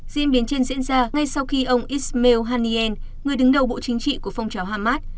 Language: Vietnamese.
diễn biến trên diễn ra ngay sau khi ông ism hannyen người đứng đầu bộ chính trị của phong trào hamas